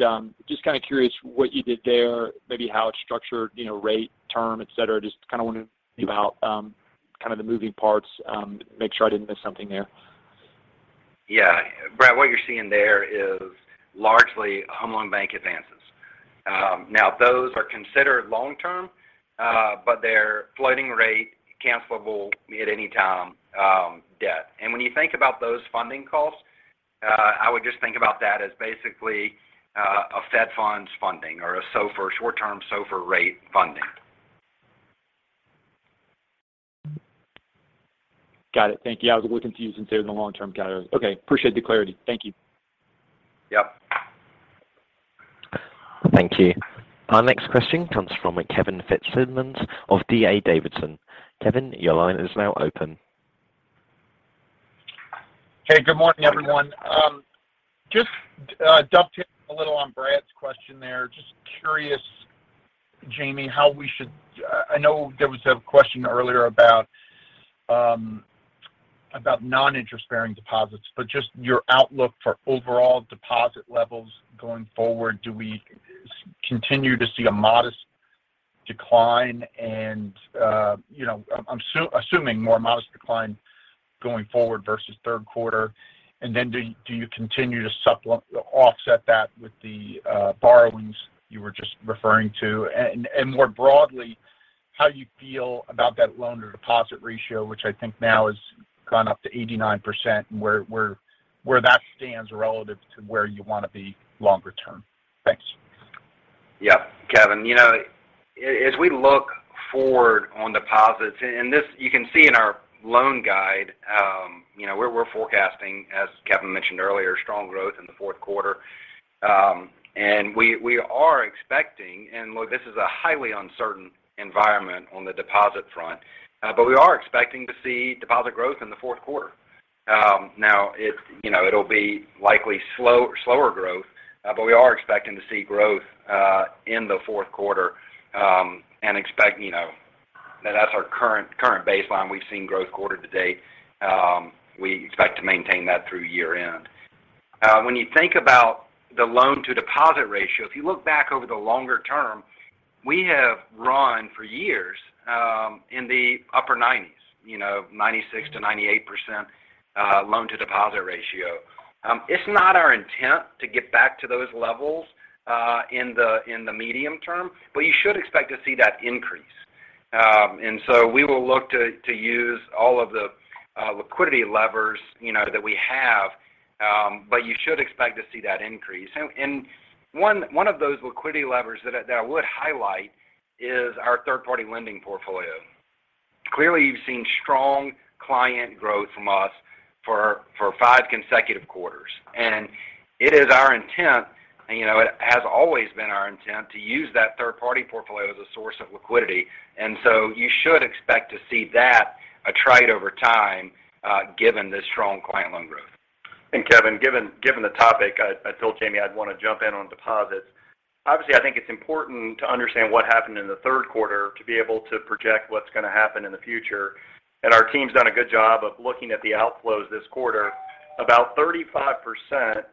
just kind of curious what you did there, maybe how it's structured, you know, rate, term, et cetera. Just kind of want to know about kind of the moving parts, make sure I didn't miss something there. Yeah. Brad, what you're seeing there is largely Federal Home Loan Bank advances. Now those are considered long-term, but they're floating rate, cancelable at any time, debt. When you think about those funding costs, I would just think about that as basically a Fed funds funding or a SOFR short-term SOFR rate funding. Got it. Thank you. I was a little confused and seeing the long-term category. Okay. Appreciate the clarity. Thank you. Yep. Thank you. Our next question comes from Kevin Fitzsimmons of D.A. Davidson. Kevin, your line is now open. Hey, good morning, everyone. Just dovetailing a little on Brad's question there. Just curious, Jamie. I know there was a question earlier about non-interest-bearing deposits, but just your outlook for overall deposit levels going forward. Do we continue to see a modest decline and you know, I'm assuming more modest decline going forward versus Q3? And then do you continue to offset that with the borrowings you were just referring to? And more broadly, how you feel about that loan-to-deposit ratio, which I think now has gone up to 89% and where that stands relative to where you want to be longer term. Thanks. Yeah. Kevin, you know, as we look forward on deposits, and this you can see in our loan guide, you know, we're forecasting, as Kevin mentioned earlier, and we are expecting, and look, this is a highly uncertain environment on the deposit front, but we are expecting to see deposit growth in Q4. Now it's, you know, it'll be likely slower growth, but we are expecting to see growth inQ4, and that's our current baseline. We've seen growth quarter to date. We expect to maintain that through year-end. When you think about the loan to deposit ratio, if you look back over the longer term, we have run for years in the upper 90s, you know, 96%-98% loan to deposit ratio. It's not our intent to get back to those levels in the medium term, but you should expect to see that increase. We will look to use all of the liquidity levers, you know, that we have. You should expect to see that increase. One of those liquidity levers that I would highlight is our third-party lending portfolio. Clearly, you've seen strong client growth from us for five consecutive quarters. It is our intent, and, you know, it has always been our intent to use that third party portfolio as a source of liquidity. You should expect to see that attrite over time, given the strong client loan growth. Kevin, given the topic, I told Jamie I'd want to jump in on deposits. Obviously, I think it's important to understand what happened in Q3 to be able to project what's going to happen in the future. Our team's done a good job of looking at the outflows this quarter. About 35%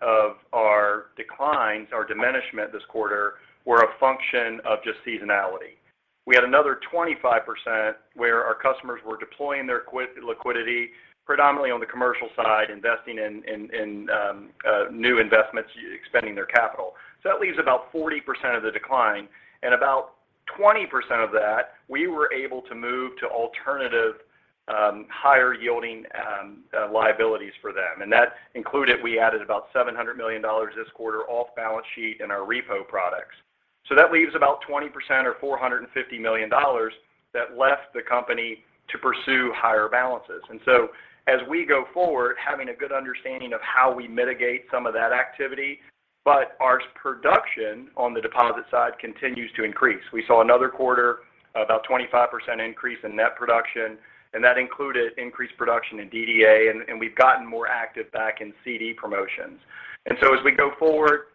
of our declines or diminishment this quarter were a function of just seasonality. We had another 25% where our customers were deploying their liquidity, predominantly on the commercial side, investing in new investments, expending their capital. That leaves about 40% of the decline. About 20% of that, we were able to move to alternative higher yielding liabilities for them. That included, we added about $700 million this quarter off balance sheet in our repo products. That leaves about 20% or $450 million that left the company to pursue higher balances. As we go forward, having a good understanding of how we mitigate some of that activity. Our production on the deposit side continues to increase. We saw another quarter, about 25% increase in net production, and that included increased production in DDA, and we've gotten more active back in CD promotions. As we go forward,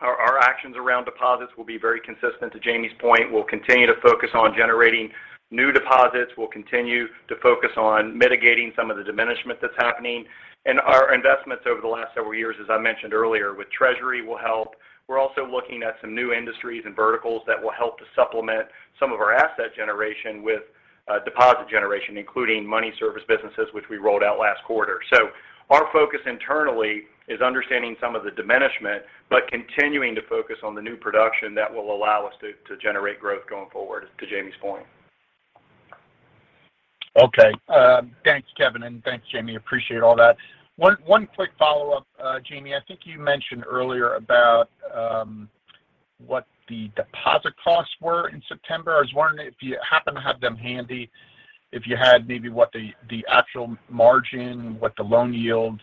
our actions around deposits will be very consistent to Jamie's point, we'll continue to focus on generating new deposits. We'll continue to focus on mitigating some of the diminishment that's happening. Our investments over the last several years, as I mentioned earlier, with treasury will help. We're also looking at some new industries and verticals that will help to supplement some of our asset generation with, deposit generation, including money service businesses, which we rolled out last quarter. Our focus internally is understanding some of the diminishment, but continuing to focus on the new production that will allow us to generate growth going forward, to Jamie's point. Okay. Thanks, Kevin, and thanks, Jamie. Appreciate all that. One quick follow-up, Jamie. I think you mentioned earlier about what the deposit costs were in September. I was wondering if you happen to have them handy, if you had maybe what the actual margin, what the loan yields,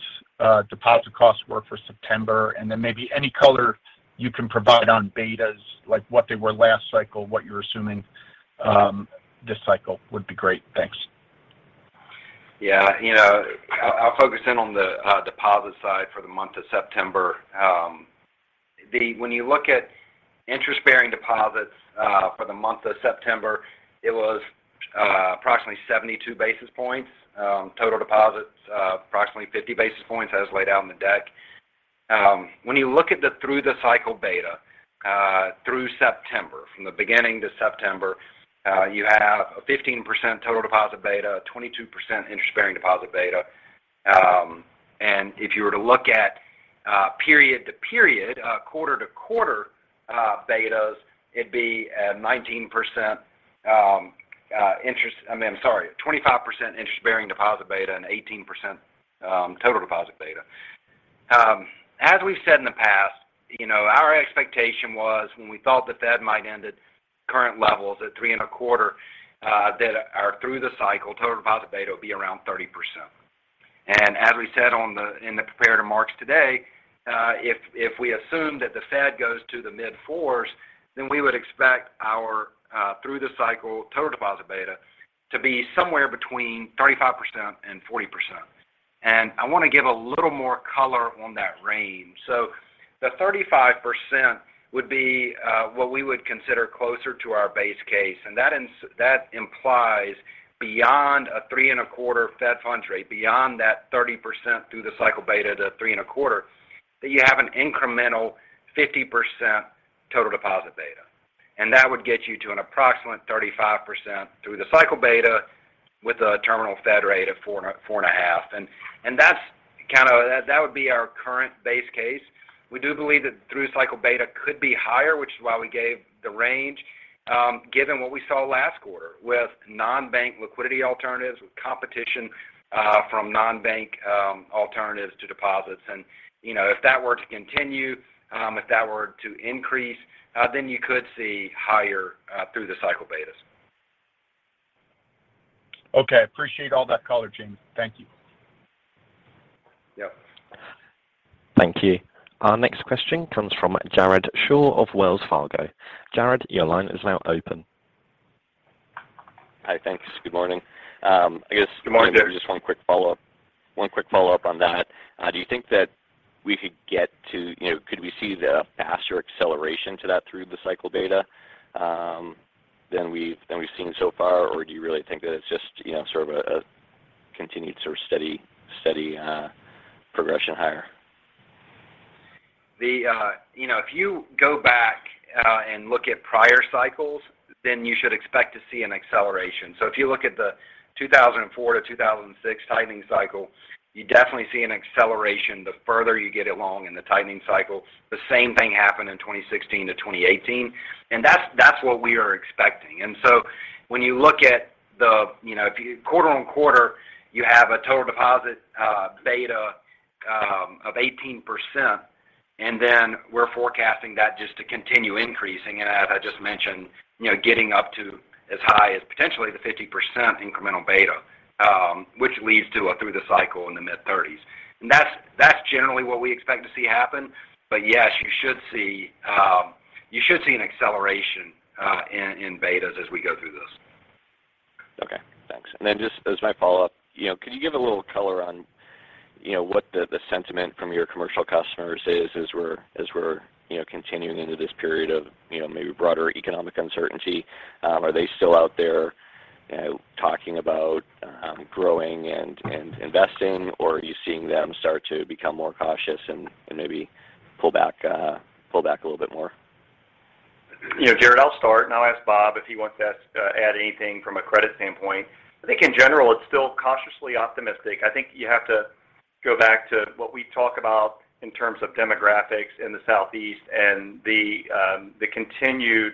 deposit costs were for September, and then maybe any color you can provide on betas, like what they were last cycle, what you're assuming, this cycle would be great. Thanks. Yeah. You know, I'll focus in on the deposit side for the month of September. When you look at interest-bearing deposits for the month of September, it was approximately 72 basis points. Total deposits approximately 50 basis points as laid out in the deck. When you look at the through-the-cycle beta through September, from the beginning to September, you have a 15% total deposit beta, a 22% interest-bearing deposit beta. If you were to look at period to period, quarter to quarter betas, it'd be a 19%, I mean, I'm sorry, 25% interest-bearing deposit beta and 18% total deposit beta. As we've said in the past, you know, our expectation was when we thought the Fed might end at current levels at 3.25, that our through the cycle total deposit beta will be around 30%. As we said in the prepared remarks today, if we assume that the Fed goes to the mid-4s, then we would expect our through the cycle total deposit beta to be somewhere between 35% and 40%. I want to give a little more color on that range. The 35% would be what we would consider closer to our base case. That implies beyond a 3.25 Fed funds rate, beyond that 30% through the cycle beta to 3.25, that you have an incremental 50% total deposit beta. That would get you to an approximate 35% through the cycle beta with a terminal Fed rate of 4%-4.5%. That's our current base case. We do believe that through cycle beta could be higher, which is why we gave the range, given what we saw last quarter with non-bank liquidity alternatives, with competition from non-bank alternatives to deposits. You know, if that were to continue, if that were to increase, then you could see higher through the cycle betas. Okay. Appreciate all that color, Jamie. Thank you. Yep. Thank you. Our next question comes from Jared Shaw of Wells Fargo. Jared, your line is now open. Hi. Thanks. Good morning. Good morning, Jared. Just one quick follow-up on that. Do you think that we could get to, you know, could we see the faster acceleration to that through the cycle beta than we've seen so far? Or do you really think that it's just, you know, sort of a continued sort of steady progression higher? You know, if you go back and look at prior cycles, then you should expect to see an acceleration. If you look at the 2004-2006 tightening cycle, you definitely see an acceleration the further you get along in the tightening cycle. The same thing happened in 2016-2018, and that's what we are expecting. When you look at the, you know, quarter-over-quarter, you have a total deposit beta of 18%, and then we're forecasting that just to continue increasing. As I just mentioned, you know, getting up to as high as potentially the 50% incremental beta, which leads to a through the cycle in the mid-30s. That's generally what we expect to see happen. Yes, you should see an acceleration in betas as we go through this. Okay. Thanks. Then just as my follow-up, you know, can you give a little color on, you know, what the sentiment from your commercial customers is as we're, you know, continuing into this period of, you know, maybe broader economic uncertainty? Are they still out there, you know, talking about growing and investing, or are you seeing them start to become more cautious and maybe pull back a little bit more? You know, Jared, I'll start and I'll ask Bob if he wants to add anything from a credit standpoint. I think in general, it's still cautiously optimistic. I think you have to go back to what we talk about in terms of demographics in the Southeast and the continued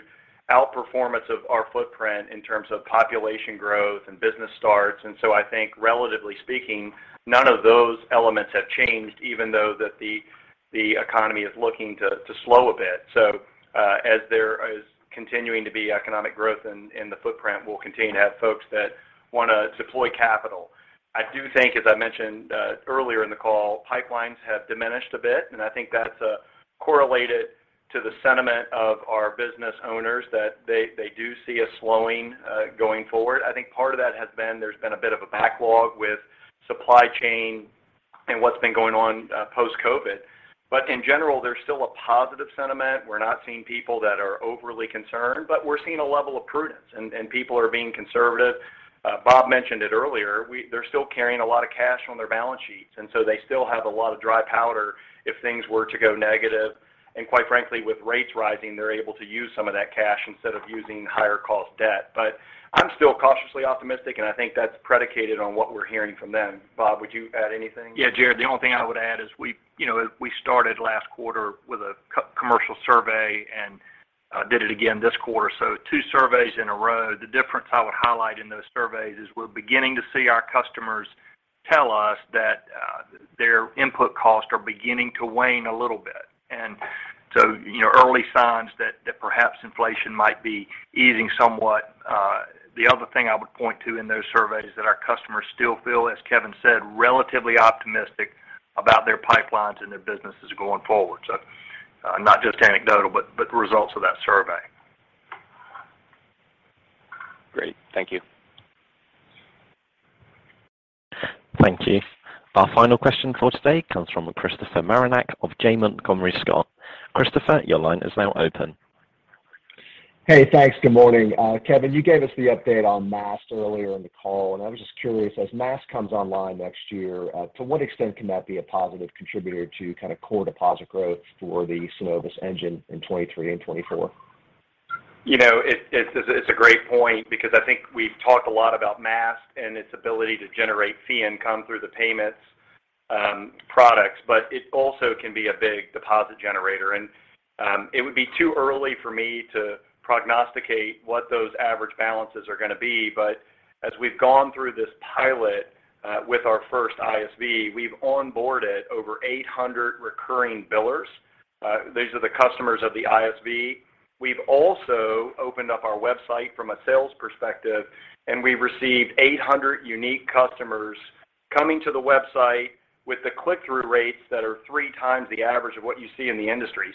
outperformance of our footprint in terms of population growth and business starts. I think relatively speaking, none of those elements have changed even though the economy is looking to slow a bit. As there is continuing to be economic growth in the footprint, we'll continue to have folks that wanna deploy capital. I do think, as I mentioned, earlier in the call, pipelines have diminished a bit, and I think that's correlated to the sentiment of our business owners that they do see a slowing going forward. I think part of that has been there's been a bit of a backlog with supply chain and what's been going on post-COVID. But in general, there's still a positive sentiment. We're not seeing people that are overly concerned, but we're seeing a level of prudence and people are being conservative. Bob mentioned it earlier, they're still carrying a lot of cash on their balance sheets, and so they still have a lot of dry powder if things were to go negative. Quite frankly, with rates rising, they're able to use some of that cash instead of using higher cost debt. I'm still cautiously optimistic, and I think that's predicated on what we're hearing from them. Bob, would you add anything? Yeah, Jared, the only thing I would add is we, you know, we started last quarter with a commercial survey and did it again this quarter, so two surveys in a row. The difference I would highlight in those surveys is we're beginning to see our customers tell us that their input costs are beginning to wane a little bit. You know, early signs that that perhaps inflation might be easing somewhat. The other thing I would point to in those surveys is that our customers still feel, as Kevin said, relatively optimistic about their pipelines and their businesses going forward. Not just anecdotal, but the results of that survey. Great. Thank you. Thank you. Our final question for today comes from Christopher Marinac of Janney Montgomery Scott. Christopher, your line is now open. Hey, thanks. Good morning. Kevin, you gave us the update on Maast earlier in the call, and I was just curious, as Maast comes online next year, to what extent can that be a positive contributor to kind of core deposit growth for the Synovus engine in 2023 and 2024? You know, it's a great point because I think we've talked a lot about Maast and its ability to generate fee income through the payments products, but it also can be a big deposit generator. It would be too early for me to prognosticate what those average balances are gonna be. As we've gone through this pilot with our first ISV, we've onboarded over 800 recurring billers. These are the customers of the ISV. We've also opened up our website from a sales perspective, and we've received 800 unique customers coming to the website with the click-through rates that are three times the average of what you see in the industry.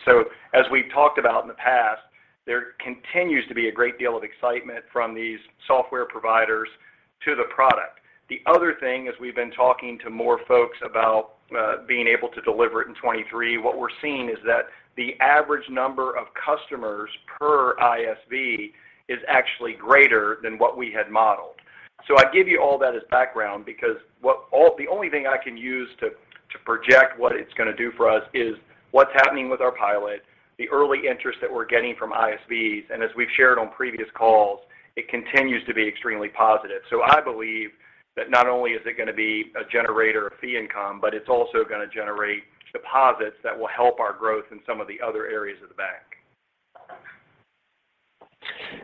As we've talked about in the past, there continues to be a great deal of excitement from these software providers to the product. The other thing, as we've been talking to more folks about, being able to deliver it in 2023, what we're seeing is that the average number of customers per ISV is actually greater than what we had modeled. I give you all that as background because the only thing I can use to project what it's gonna do for us is what's happening with our pilot, the early interest that we're getting from ISVs, and as we've shared on previous calls, it continues to be extremely positive. I believe that not only is it gonna be a generator of fee income, but it's also gonna generate deposits that will help our growth in some of the other areas of the bank.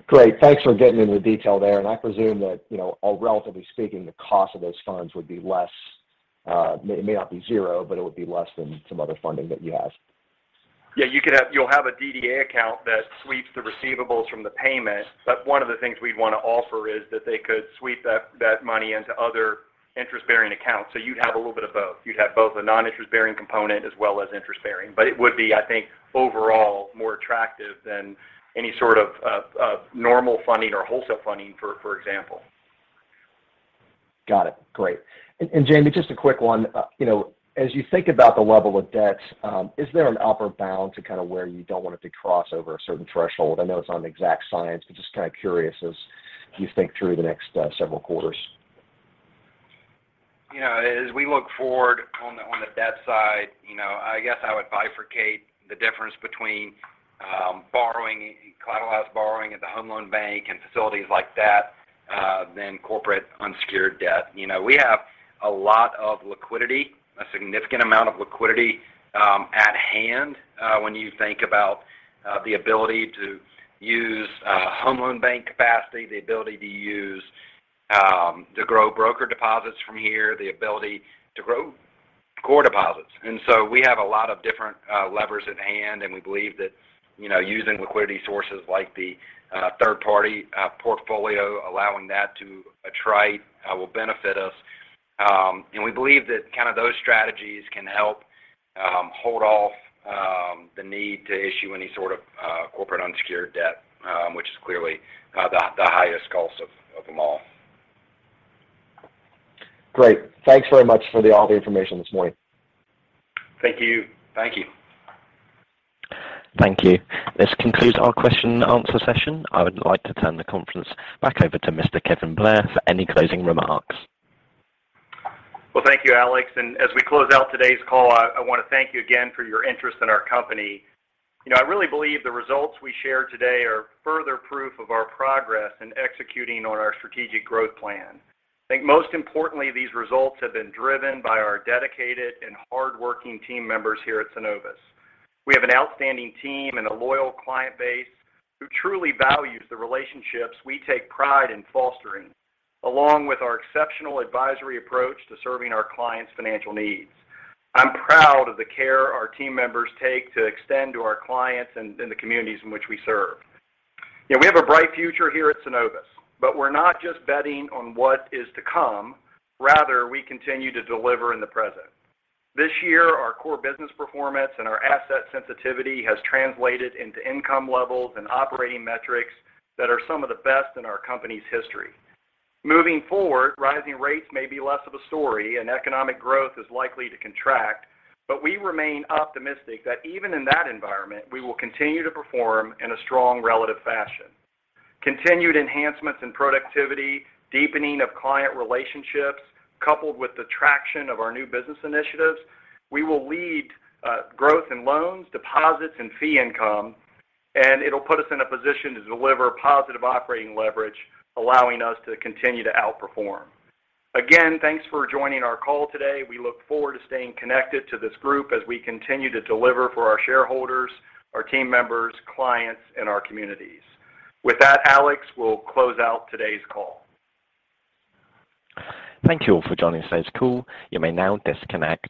Great. Thanks for getting into the detail there. I presume that, you know, all relatively speaking, the cost of those funds would be less, may not be zero, but it would be less than some other funding that you have. Yeah, you'll have a DDA account that sweeps the receivables from the payment. That's one of the things we'd wanna offer is that they could sweep that money into other interest-bearing accounts. You'd have a little bit of both. You'd have both a non-interest bearing component as well as interest bearing. It would be, I think, overall more attractive than any sort of normal funding or wholesale funding, for example. Got it. Great. Jamie, just a quick one. You know, as you think about the level of debt, is there an upper bound to kind of where you don't want it to cross over a certain threshold? I know it's not an exact science, but just kind of curious as you think through the next several quarters. You know, as we look forward on the debt side, you know, I guess I would bifurcate the difference between collateralized borrowing at the Federal Home Loan Bank and facilities like that, then corporate unsecured debt. You know, we have a lot of liquidity, a significant amount of liquidity at hand, when you think about the ability to use Federal Home Loan Bank capacity, the ability to grow broker deposits from here, the ability to grow core deposits. We have a lot of different levers at hand, and we believe that, you know, using liquidity sources like the third-party portfolio, allowing that to attrite, will benefit us. We believe that kind of those strategies can help hold off the need to issue any sort of corporate unsecured debt, which is clearly the highest cost of them all. Great. Thanks very much for all the information this morning. Thank you. Thank you. Thank you. This concludes our question-and-answer session. I would like to turn the conference back over to Mr. Kevin Blair for any closing remarks. Well, thank you, Alex. As we close out today's call, I want to thank you again for your interest in our company. You know, I really believe the results we shared today are further proof of our progress in executing on our strategic growth plan. I think most importantly, these results have been driven by our dedicated and hardworking team members here at Synovus. We have an outstanding team and a loyal client base who truly values the relationships we take pride in fostering, along with our exceptional advisory approach to serving our clients' financial needs. I'm proud of the care our team members take to extend to our clients and the communities in which we serve. You know, we have a bright future here at Synovus, but we're not just betting on what is to come. Rather, we continue to deliver in the present. This year, our core business performance and our asset sensitivity has translated into income levels and operating metrics that are some of the best in our company's history. Moving forward, rising rates may be less of a story and economic growth is likely to contract, but we remain optimistic that even in that environment, we will continue to perform in a strong relative fashion. Continued enhancements in productivity, deepening of client relationships, coupled with the traction of our new business initiatives, we will lead growth in loans, deposits, and fee income, and it'll put us in a position to deliver positive operating leverage, allowing us to continue to outperform. Again, thanks for joining our call today. We look forward to staying connected to this group as we continue to deliver for our shareholders, our team members, clients, and our communities. With that, Alex, we'll close out today's call. Thank you all for joining today's call. You may now disconnect.